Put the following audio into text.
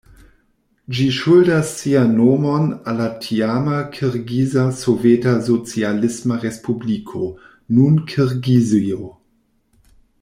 Ĝi ŝuldas sian nomon al la tiama Kirgiza Soveta Socialisma Respubliko, nun Kirgizio.